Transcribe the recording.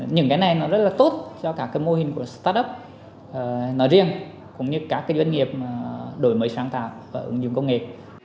những cái này nó rất là tốt cho các mô hình của start up nói riêng cũng như các doanh nghiệp đổi mới sáng tạo và ứng dụng công nghệ